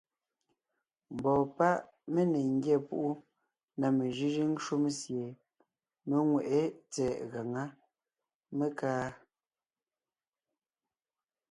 Mbɔɔ páʼ mé ne ńgyá púʼu na mejʉ́jʉ́ŋ shúm sie mé ŋweʼé tsɛ̀ɛ gaŋá, mé kaa.